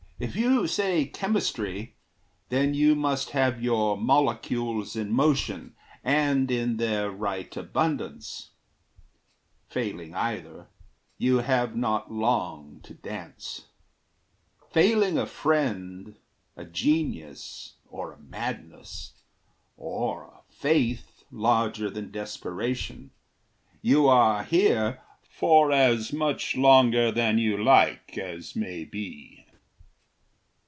If you say chemistry, Then you must have your molecules in motion, And in their right abundance. Failing either, You have not long to dance. Failing a friend, A genius, or a madness, or a faith Larger than desperation, you are here For as much longer than you like as may be.